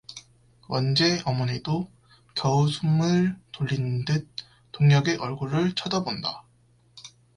원재 어머니도 겨우 숨을 돌린 듯 동혁의 얼굴을 쳐다본다.